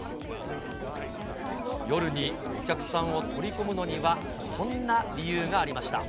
夜にお客さんを取り込むのには、こんな理由がありました。